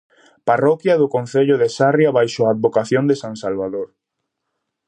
Parroquia do concello de Sarria baixo a advocación de san Salvador.